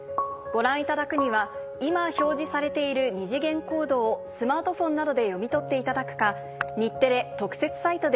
ご覧いただくには今表示されている二次元コードをスマートフォンなどで読み取っていただくか。